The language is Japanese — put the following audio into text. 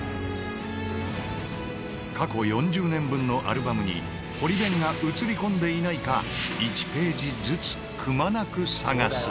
過去４０年分のアルバムに堀弁が写り込んでいないか１ページずつくまなく探す。